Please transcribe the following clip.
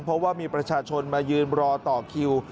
เพราะว่ามีประชาชนมายืนรอต่อคิว